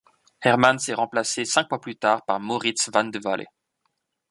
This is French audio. Hermans est remplacé cinq mois plus tard par Maurits van de Walle.